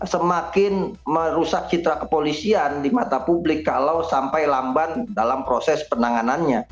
semakin merusak citra kepolisian di mata publik kalau sampai lamban dalam proses penanganannya